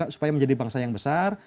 supaya menjadi bangsa yang besar